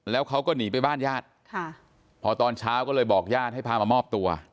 แล้วเขาก็หนีไปบ้านญาติพอตอนเช้าก็เลยบอกญาติให้พามามอบตัว